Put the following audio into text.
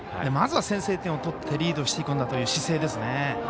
まずは先制点を取ってリードしていくんだという姿勢ですよね。